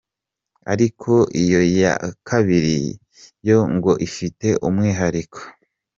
Ariko iyo ya kabiri yo ngo ifite umwihariko.